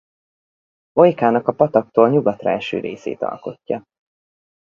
Olykának a pataktól nyugatra eső részét alkotja.